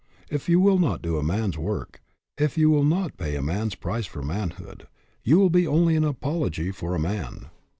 If you will not do a man's work, if you will not pay a man's price for manhood, you will be only an apology for a man.